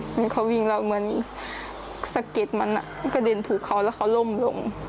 เหมือนเขาวิ่งเราเหมือนสะเก็ดมันกระเด็นถือเขาแล้วเขาล่มลง